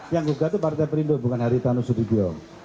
yang gugat itu partai perindo bukan haritanu sudibyo